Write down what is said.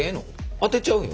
当てちゃうよ